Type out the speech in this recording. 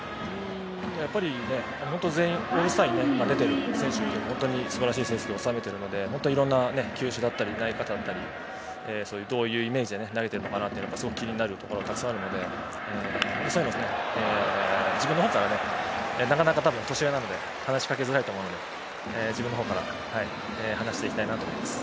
やっぱり全員オールスターに出ている選手は本当に素晴らしい成績を収めているのでいろんな球種だったり投げ方だったりどういうイメージで投げているのかなというのはすごく気になるところがたくさんあるのでそういうのを自分のほうからなかなか、多分年上なので話しかけづらいと思うので自分のほうから話していきたいなと思います。